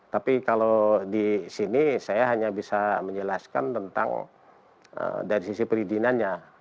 tapi kalau di sini saya hanya bisa menjelaskan tentang dari sisi perizinannya